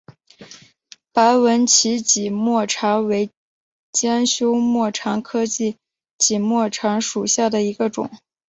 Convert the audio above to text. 白纹歧脊沫蝉为尖胸沫蝉科歧脊沫蝉属下的一个种。